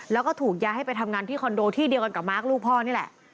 แล้วก็ถูกย้ายให้ไปทำงานที่คอนโดที่เดียวกันกับมาร์คลูกพ่อนี่แหละ